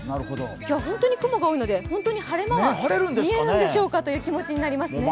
今日は本当に雲が多いので本当に晴れ間が見えるんでしょうかという感じですね。